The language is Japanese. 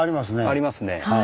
ありますね。